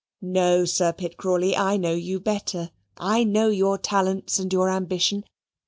"No, Sir Pitt Crawley, I know you better. I know your talents and your ambition.